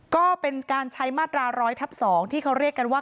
ก็เป็นการใช้มาตรา๑๐๐ทับ๒ที่เขาเรียกกันว่า